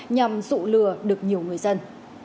nhằm dụ lừa được nhiều người dân